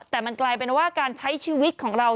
แต่มันกลายเป็นว่าการใช้ชีวิตของเรา